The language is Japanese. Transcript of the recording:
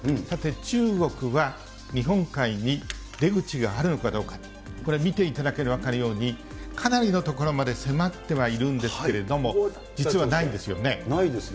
中国は日本海に出口があるのかどうか、これ、見ていただければ分かるように、かなりのところまで迫ってはいるんですけれども、実はないんですないですね。